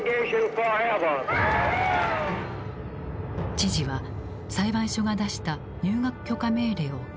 知事は裁判所が出した入学許可命令を拒否。